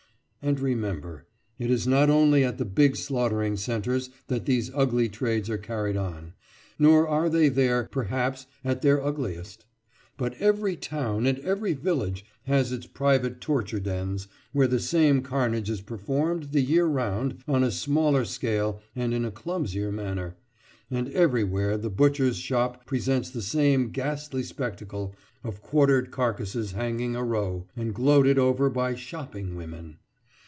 And, remember, it is not only at the big slaughtering centres that these ugly trades are carried on, nor are they there, perhaps, at their ugliest; but every town and every village has its private torture dens where the same carnage is performed the year round on a smaller scale and in a clumsier manner, and everywhere the butcher's shop presents the same ghastly spectacle of quartered carcases hanging a row, and gloated over by "shopping" women.